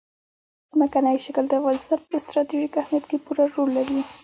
ځمکنی شکل د افغانستان په ستراتیژیک اهمیت کې پوره رول لري.